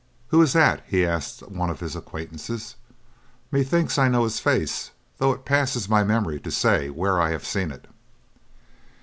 "Who is that?" he asked one of his acquaintances; "methinks I know his face, though it passes my memory to say where I have seen it."